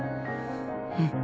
うん。